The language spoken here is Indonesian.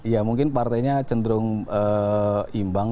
ya mungkin partainya cenderung imbang